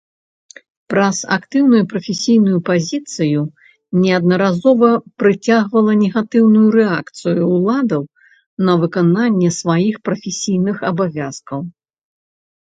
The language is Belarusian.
Праз актыўную прафесійную пазіцыю неаднаразова прыцягвала негатыўную рэакцыю ўладаў на выкананне сваіх прафесійных абавязкаў.